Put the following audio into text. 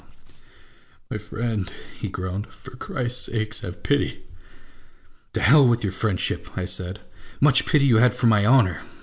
MY ENEMY AND MYSELF. 69 " My friend," he groaned, "for Christ's sake, have pity !"" To hell with your friendship !' I said. " Much pity you had for my honour